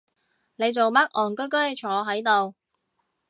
你做乜戇居居坐係度？